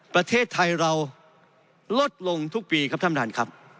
ประเทศไทยเราลดลงทุกปีครับท่านประธานครับ